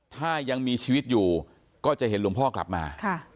ถ้ายังมีชีวิตอยู่ก็จะเห็นหลวงพ่อกลับมา